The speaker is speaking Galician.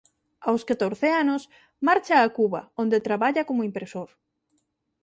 Aos catorce anos marcha a Cuba onde traballa como impresor.